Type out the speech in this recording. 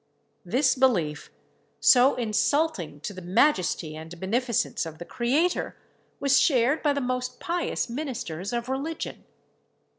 This belief, so insulting to the majesty and beneficence of the Creator, was shared by the most pious ministers of religion.